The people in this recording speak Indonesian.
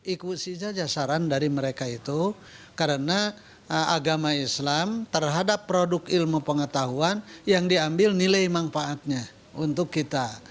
ikusinya jasaran dari mereka itu karena agama islam terhadap produk ilmu pengetahuan yang diambil nilai manfaatnya untuk kita